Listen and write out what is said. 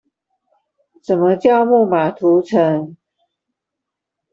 什麼叫木馬屠城